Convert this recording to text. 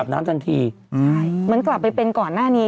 ใช่เหมือนกลับไปเป็นก่อนหน้านี้